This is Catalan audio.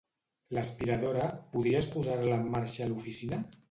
L'aspiradora, podries posar-la en marxa a l'oficina?